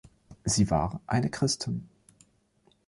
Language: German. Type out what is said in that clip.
Sie war eine Christin.